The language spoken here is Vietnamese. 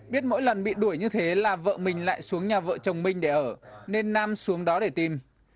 biết mỗi lần bị đuổi như thế là vợ mình lại xuống nhà vợ chồng minh để ở nên nam xuống đó để tìm